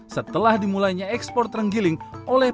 sebelumnya pengguna tersebar menemukan pengguna yang berbeda